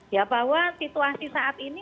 ya bahwa situasi saat ini